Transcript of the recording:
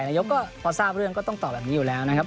นายกก็พอทราบเรื่องก็ต้องตอบแบบนี้อยู่แล้วนะครับ